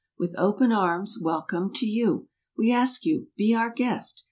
With open arms—"Welcome to you!" We ask you—"Be our guest!"